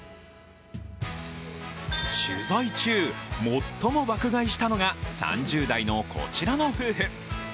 取材中、最も爆買いしたのが３０代のこちらの夫婦。